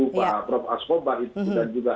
pak prof askobar dan juga